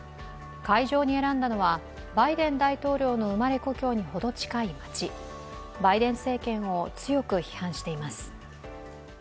会場に選んだのは、バイデン大統領の生まれ故郷に程近い町、バイデン政権を強く批判しています。